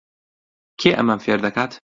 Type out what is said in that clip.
کێ ئەمەم فێر دەکات؟